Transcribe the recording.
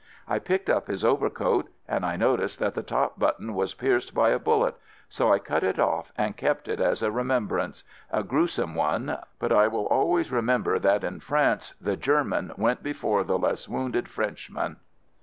I picked up his overcoat, and I noticed that the top button was pierced by a bullet, so I cut it off and kept it as a remembrance — a gruesome one, but I shall always remember that in France the German went before the less wounded Frenchman